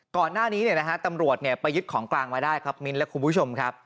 ก่อนหน้านี้ตำรวจไปยึดของกลางมาได้ครับมิ้นและคุณผู้ชมครับ